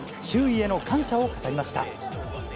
周囲への感謝を語りました。